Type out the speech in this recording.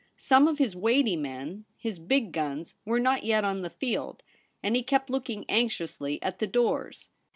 Some of his weighty men, his big guns, were not yet on the field, and he kept looking anxiously at the doors.